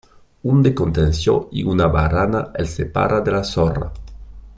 Un de contenció i una barana el separa de la sorra.